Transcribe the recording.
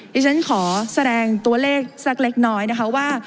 ดิฉันขอแสดงตัวเลขสักเล็กน้อยนะคะว่า